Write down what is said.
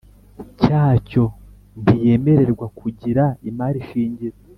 cyacyo ntiyemererwa kugira imari shingiro